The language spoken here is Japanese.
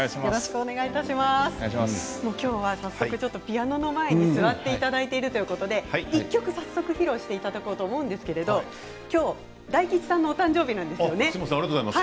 今日は早速ピアノの前に座っていただいているということで、１曲早速、披露していただこうと思うんですけど今日大吉さんのすみません